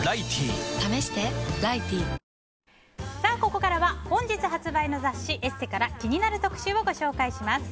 ここからは本日発売の雑誌「ＥＳＳＥ」から気になる特集をご紹介します。